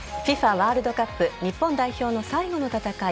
ワールドカップ日本代表の最後の戦い